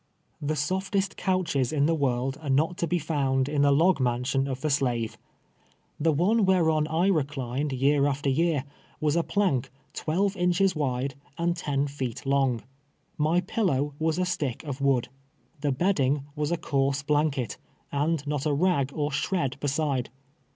The softest couches in the world are not to be found in the log mansion of the slave. The one whereon I reclined year after year, was a plank twelve inches wide and ten feet long. My pillow was a stick of wood. Tlie bedding was a coarse blanket, and not a rag or shred beside.